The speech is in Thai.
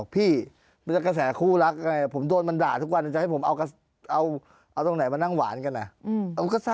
พี่บอกผมทำไมว่าเฮ้ยเนต